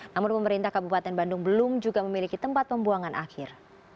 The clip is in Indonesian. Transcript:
namun pemerintah kabupaten bandung belum juga memiliki tempat pembuangan akhir